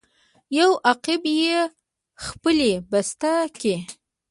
یو عقاب یې خپلې بسته کې